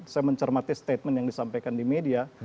saya mencermati statement yang disampaikan di media